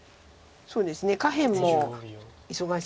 そうですね下辺も忙しいです。